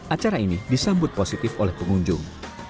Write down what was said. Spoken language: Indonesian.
acara ini disambut positif oleh pengunjung